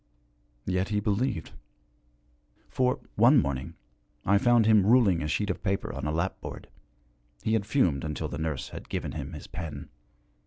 Yet he believed. For, one morning, I found him ruling a sheet of paper on a lapboard he had fumed until the nurse had given him his pen.